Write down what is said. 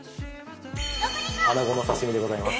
穴子の刺身でございます。